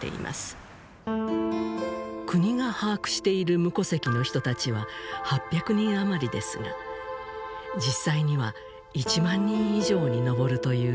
国が把握している無戸籍の人たちは８００人余りですが実際には１万人以上に上るという推計があります。